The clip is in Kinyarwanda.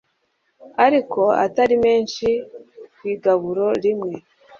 ariko atari menshi ku igaburo rimwe